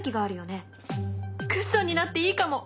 クッションになっていいかも！